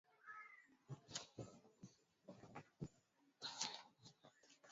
imekuwa ikiyumba kwa sababu ya kuwa na mawaziri mizigo wanaoshindwa kusimamia mambo muhimu mengi